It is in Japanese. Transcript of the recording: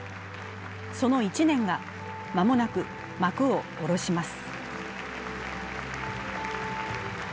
その１年が間もなく幕を下ろします。